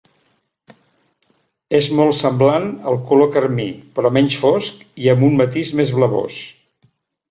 És molt semblant al color carmí però menys fosc i amb un matís més blavós.